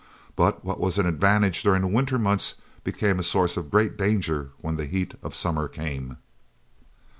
But what was an advantage during the winter months became a source of great danger when the heat of summer came.